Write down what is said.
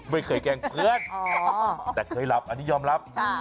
แกล้งเพื่อนแต่เคยหลับอันนี้ยอมรับ